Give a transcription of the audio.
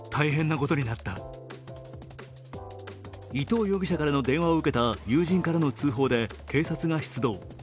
伊藤容疑者からの電話を受けた友人からの通報で警察が出動。